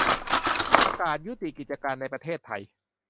ประกาศยุติกิจการในประเทศไทย